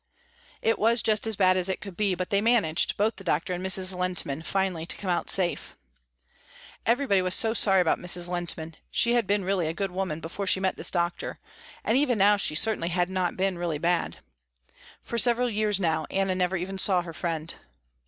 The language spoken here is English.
It was just as bad as it could be, but they managed, both the doctor and Mrs. Lehntman, finally to come out safe. Everybody was so sorry about Mrs. Lehntman. She had been really a good woman before she met this doctor, and even now she certainly had not been really bad. For several years now Anna never even saw her friend.